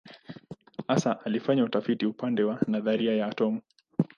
Hasa alifanya utafiti upande wa nadharia ya atomu.